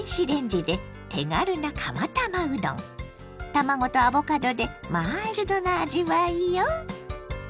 卵とアボカドでマイルドな味わいよ。